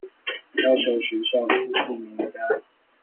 要求學校出示名單